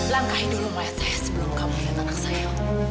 langkahi dulu mayat saya sebelum kamu melihat anak saya